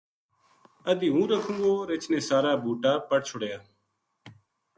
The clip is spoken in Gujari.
ادھی ہوں رکھوں گو "رچھ نے سارا بوٹا پَٹ چھڑیا